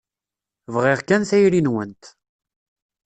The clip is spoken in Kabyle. Bɣiɣ kan tayri-nwent.